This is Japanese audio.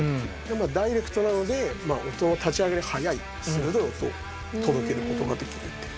ダイレクトなので音の立ち上がりが速い鋭い音を届ける事ができるっていう。